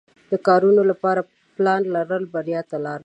د کارونو لپاره پلان لرل بریا ته لار ده.